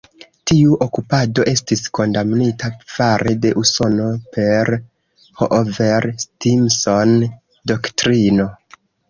Tiu okupado estis kondamnita fare de Usono per Hoover-Stimson-Doktrino.